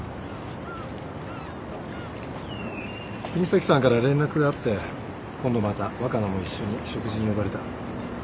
國東さんから連絡があって今度また若菜も一緒に食事に呼ばれた。